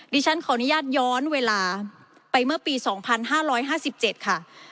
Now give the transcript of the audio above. ดิฉันขออนุญาตย้อนเวลาไปเมื่อปีสองพันห้าร้อยห้าสิบเจ็ดค่ะ